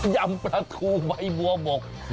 ำปลาทูใบบัวหมก